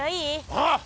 ああ！